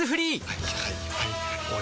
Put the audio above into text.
はいはいはいはい。